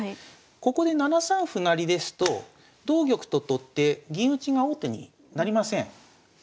ここで７三歩成ですと同玉と取って銀打ちが王手になりません。